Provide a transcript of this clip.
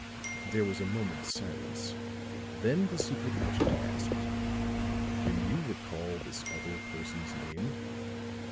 There was a moment's silence; then the secret agent asked: "Can you recall this other person's name?"